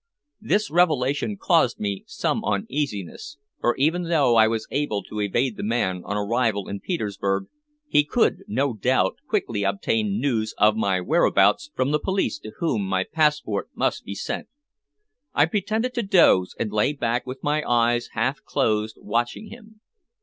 This revelation caused me some uneasiness, for even though I was able to evade the man on arrival in Petersburg, he could no doubt quickly obtain news of my whereabouts from the police to whom my passport must be sent. I pretended to doze, and lay back with my eyes half closed watching him.